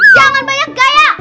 jangan banyak gaya